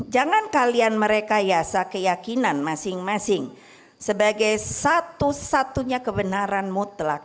jangan kalian merekayasa keyakinan masing masing sebagai satu satunya kebenaran mutlak